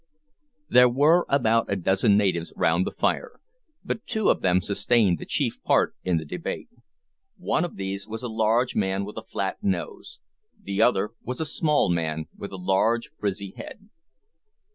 There were about a dozen natives round the fire, but two of them sustained the chief part in the debate. One of these was a large man with a flat nose; the other was a small man with a large frizzy head.